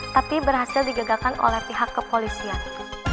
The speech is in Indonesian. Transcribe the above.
tapi berhasil digagalkan oleh pihak kepolisian